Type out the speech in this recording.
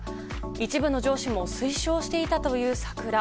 一部の上司も推奨していたというサクラ。